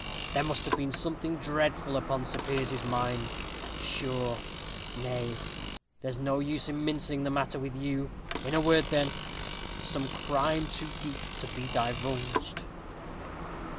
There must have been something dreadful upon Sir Piers's mind; sure nay, there's no use in mincing the matter with you in a word, then, some crime too deep to be divulged."